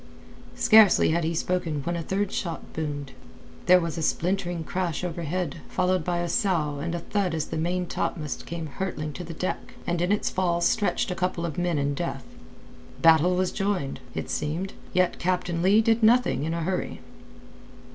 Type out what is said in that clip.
Scarcely had he spoken when a third shot boomed. There was a splintering crash overhead followed by a sough and a thud as the maintopmast came hurtling to the deck and in its fall stretched a couple of men in death. Battle was joined, it seemed. Yet Captain Leigh did nothing in a hurry.